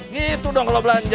gitu dong kalau belanja